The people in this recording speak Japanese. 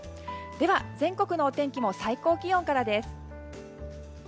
では、全国のお天気も最高気温からです。